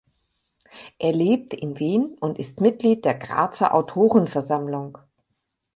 Er lebt in Wien und ist Mitglied der Grazer Autorenversammlung.